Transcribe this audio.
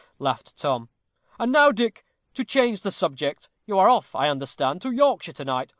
laughed Tom. "And now, Dick, to change the subject. You are off, I understand, to Yorkshire to night.